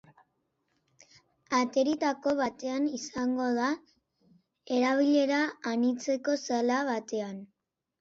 Atarietako batean izango da, erabilera anitzeko sala batean.